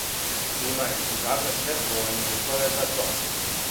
Имајући дакле све повољне услове за то